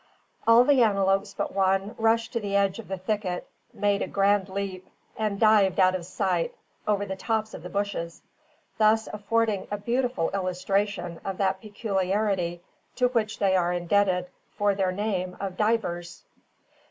All the antelopes but one rushed to the edge of the thicket, made a grand leap, and dived out of sight over the tops of the bushes, thus affording a beautiful illustration of that peculiarity to which they are indebted for their name of Divers.